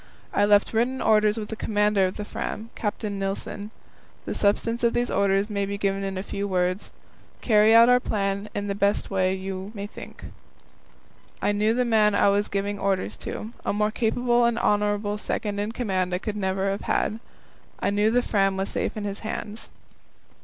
I left written orders with the commander of the Fram, Captain Nilsen. The substance of these orders may be given in a few words: Carry out our plan in the way you may think best. I knew the man I was giving orders to. A more capable and honourable second in command I could never have had. I knew that the Fram was safe in his hands.